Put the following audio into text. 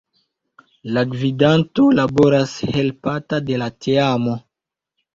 La Gvidanto laboras helpata de la Teamo.